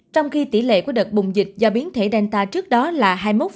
trong khi tỷ lệ của đợt bùng dịch do biến thể delta trước đó là hai mươi một ba